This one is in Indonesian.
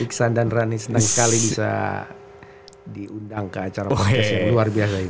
iksan dan rani senang sekali bisa diundang ke acara protes yang luar biasa